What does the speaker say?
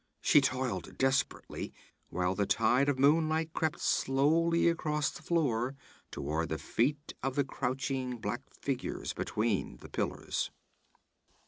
She toiled desperately, while the tide of moonlight crept slowly across the floor toward the feet of the crouching black figures between the pillars.